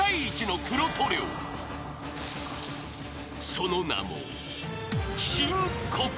［その名も］